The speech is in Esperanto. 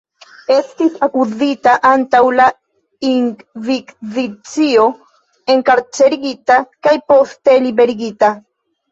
Estis akuzita antaŭ la Inkvizicio, enkarcerigita kaj poste liberigita.